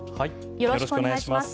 よろしくお願いします。